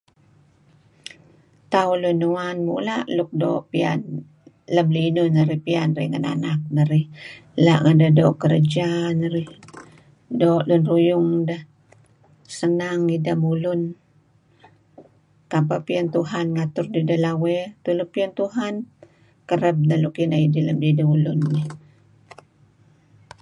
Tauh lun uwan mula' luk doo' piyan lem linuh narih piyan narih ngen anak narih , la' ngedah doo' kerja narih, doo' lun ruyung deh, senang ideh mulun kapeh piyan Tuhan ngatur dideh lawey, tulu piyan Tuhan kereb neh nuk ineh idih lem dideh ulun dih.